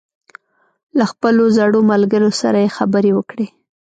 له خپلو زړو ملګرو سره یې خبرې وکړې.